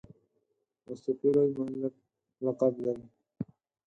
مستوفي لوی ملک لقب لري.